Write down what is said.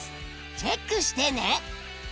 チェックしてね。